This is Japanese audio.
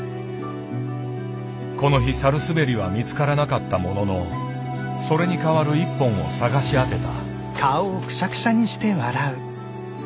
この日サルスベリは見つからなかったもののそれに代わる一本を探し当てた。